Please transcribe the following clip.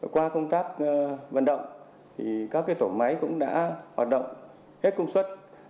qua công tác vận động các tổ máy cũng đã hoạt động hết công suất